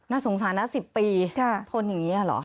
สงสารนะ๑๐ปีทนอย่างนี้เหรอ